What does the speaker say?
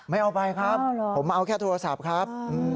ไม่เอาไปครับผมเอาแค่โทรศัพท์ครับ